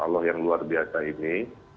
allah yang luar biasa ini